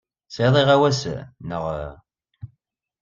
Tesɛiḍ iɣawasen, naɣ?